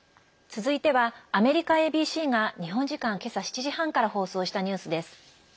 続いては、アメリカＡＢＣが日本時間けさ７時半から放送したニュースです。